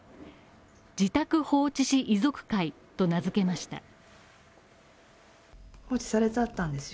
自宅放置死遺族会と名付けました。